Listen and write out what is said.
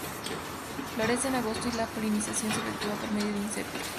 Florece en agosto y la polinización se efectúa por medio de insectos.